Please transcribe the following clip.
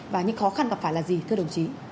và những khó khăn gặp phải là gì thưa đồng chí